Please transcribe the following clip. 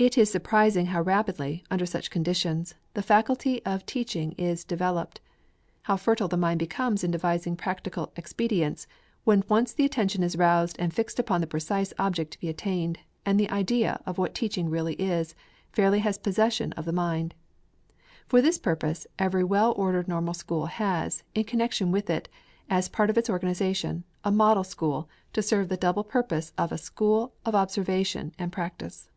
It is surprising how rapidly, under such conditions, the faculty of teaching is developed; how fertile the mind becomes in devising practical expedients, when once the attention is roused and fixed upon the precise object to be attained, and the idea of what teaching really is, fairly has possession of the mind. For this purpose every well ordered Normal School has, in connection with it, as a part of its organization, a Model School, to serve the double purpose of a school of observation and practice.